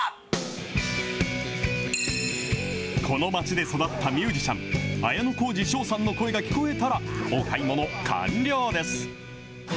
この町で育ったミュージシャン、綾小路翔さんの声が聞こえたら、お買い物完了です。